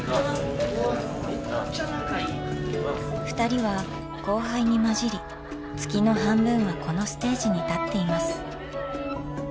ふたりは後輩に交じり月の半分はこのステージに立っています。